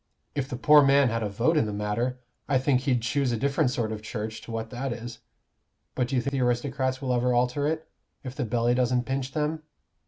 If the poor man had a vote in the matter, I think he'd choose a different sort of Church to what that is. But do you think the aristocrats will ever alter it, if the belly doesn't pinch them?